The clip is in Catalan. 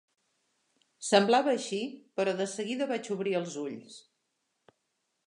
Semblava així, però de seguida vaig obrir els ulls.